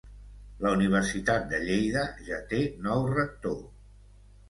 La Universitat de Lleida ja té nou rector